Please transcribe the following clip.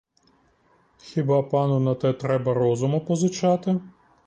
Хіба пану на те треба розуму позичати?